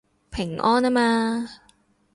平安吖嘛